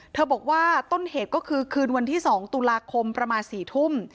บอกว่าต้นเหตุก็คือคืนวันที่๒ตุลาคมประมาณ๔ทุ่ม